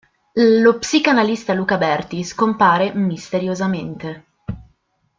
Lo psicanalista Luca Berti scompare misteriosamente.